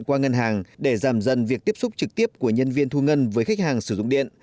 qua ngân hàng để giảm dần việc tiếp xúc trực tiếp của nhân viên thu ngân với khách hàng sử dụng điện